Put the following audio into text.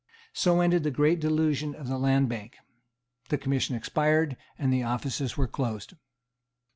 So ended the great delusion of the Land Bank. The commission expired; and the offices were closed.